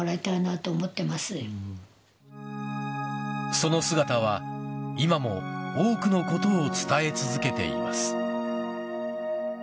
その姿は、今も多くのことを伝え続けています。